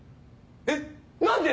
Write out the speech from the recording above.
えっ何で？